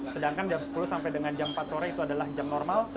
sedangkan jam sepuluh sampai dengan jam empat sore itu adalah jam normal